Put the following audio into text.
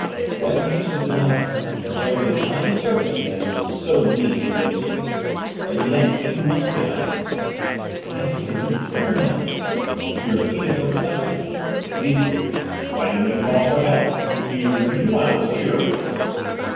What use of denial when every tiny circumstance was so leagued against her? And yet she must deny. "I didn't kill him," she repeated perplexedly, weakly. "Why didn't you call for help? You you knew I was here."